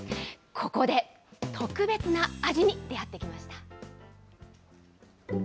ここで特別な味に出会ってきました。